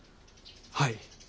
はい。